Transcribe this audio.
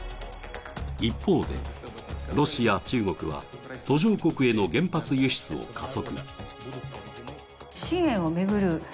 一方でロシア・中国は、途上国への原発輸出を加速。